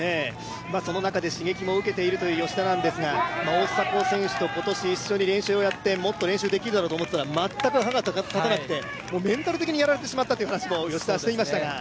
その中で刺激も受けているという吉田ですが大迫選手と今年一緒に練習をやって、もっと練習できるだろうと思ったら全く歯が立たなくてメンタル的にやられてしまったという話を吉田もしていましたけど。